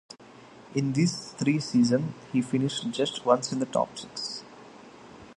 In these three season, he finished just once in the top six.